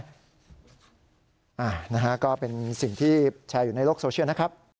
นะฮะก็เป็นสิ่งที่แชร์อยู่ในโลกโซเชียลนะครับ